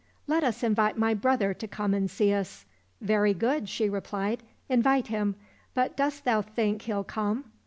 —" Let us invite my brother to come and see us." —" Very good," she replied ;" invite him, but dost thou think he'll come